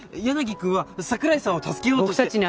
柳くんは桜井さんを助けようとして。